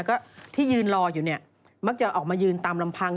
ก็ที่ยืนรออยู่เนี่ยมักจะออกมายืนตามลำพัง